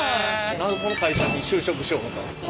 何でこの会社に就職しようと思ったんですか？